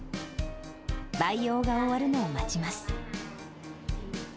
培養が終わるのを待ちます。